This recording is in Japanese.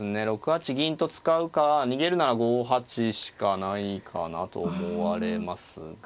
６八銀と使うか逃げるなら５八しかないかなと思われますが。